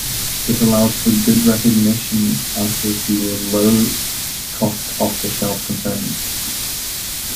This allows for good recognition accuracy with low cost off-the-shelf components.